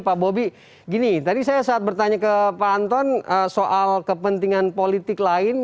pak bobi gini tadi saya saat bertanya ke pak anton soal kepentingan politik lain